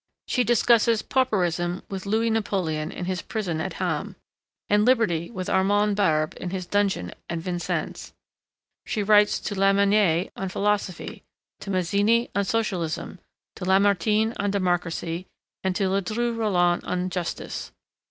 She discusses pauperism with Louis Napoleon in his prison at Ham, and liberty with Armand Barbes in his dungeon at Vincennes; she writes to Lamennais on philosophy, to Mazzini on socialism, to Lamartine on democracy, and to Ledru Rollin on justice.